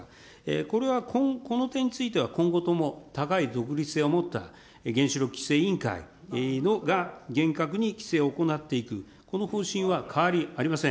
これはこの点については、今後とも高い独立性を持った原子力規制委員会が厳格に規制を行っていく、この方針は変わりありません。